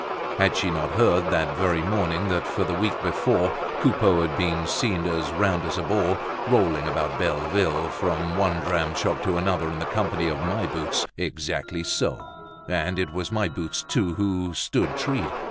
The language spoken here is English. Had she not heard that very morning that for the week before Coupeau had been seen as round as a ball, rolling about Belleville from one dram shop to another in the company of My Boots. Exactly so; and it was My Boots, too, who stood treat.